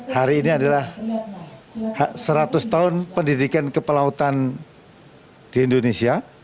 hari ini adalah hak seratus tahun pendidikan kepelautan di indonesia